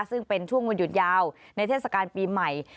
ซึ่งเป็นช่วงวันหยุดยาวในเทศกาลปีใหม่